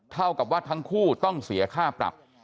เท่ากับว่าทั้งคู่ต้องเสียค่าปรับ